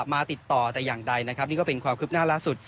มาติดต่อแต่อย่างใดนะครับนี่ก็เป็นความคืบหน้าล่าสุด